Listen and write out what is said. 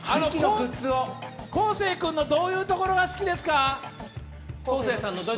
昴生君のどういうところが好きですか？